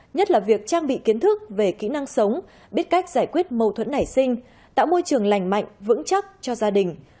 nhất là việc trang bị kiến thức về kỹ năng sống biết cách giải quyết mâu thuẫn nảy sinh tạo môi trường lành mạnh vững chắc cho gia đình